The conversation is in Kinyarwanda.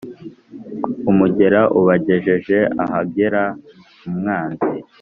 umugera ubagejeje ahagera umwanzi